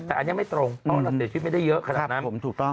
แต่อันนี้ไม่ตรงเพราะว่าเราเสียชีวิตไม่ได้เยอะขนาดนั้น